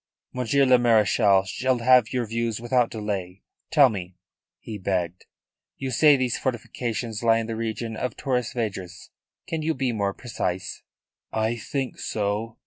"Monsieur le Marechal shall have your views without delay. Tell me," he begged. "You say these fortifications lie in the region of Torres Vedras. Can you be more precise?" "I think so.